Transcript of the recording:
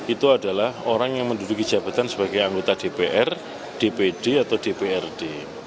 itu adalah orang yang menduduki jabatan sebagai anggota dpr dpd atau dprd